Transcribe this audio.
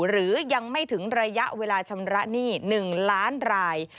หรือยังไม่ถึงระยะเวลาชำระหนี้๑ล้านราย